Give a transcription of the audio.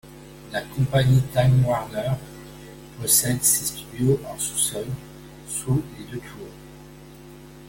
La compagnie Time Warner possède ses studios en sous-sol, sous les deux tours.